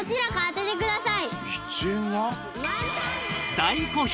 大好評！